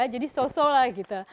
jadi so so lah gitu